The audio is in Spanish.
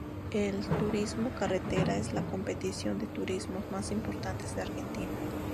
El Turismo Carretera es la competición de turismos más importante de Argentina.